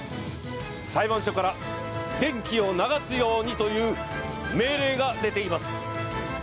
裁判所から電気を流すようにという命令が出ています。